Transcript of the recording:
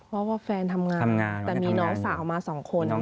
เพราะว่าแฟนทำงานแต่มีน้องสาวมาสองคน